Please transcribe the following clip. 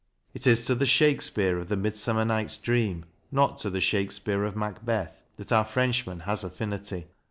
It is to the Shakespeare of the " Midsummer Night's Dream," not to the Shakespeare of " Macbeth," that our Frenchman has affinity.